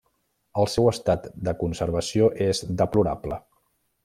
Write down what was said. El seu estat de conservació és deplorable.